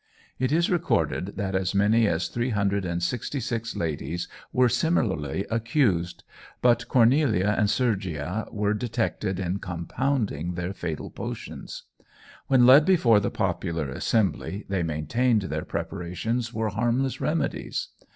It is recorded that as many as three hundred and sixty six ladies were similarly accused; but Cornelia and Sergia were detected in compounding their fatal potions. "When led before the popular assembly they maintained their preparations were harmless remedies.